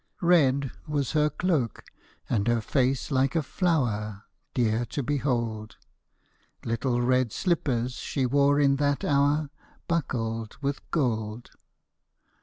MY LADY'S SLIPPER Red was her cloak, and her face like a flower Dear to behold ; Little red slippers she wore in that hour Buckled with gold.